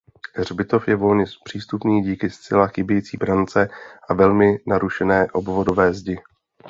Hřbitov je volně přístupný díky zcela chybějící brance a velmi narušené obvodové zdi.